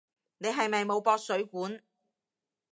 你係咪冇駁水管？